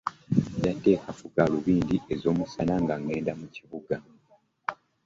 Njakutekako ggalubindi ezomusana ngangeda mukibuga.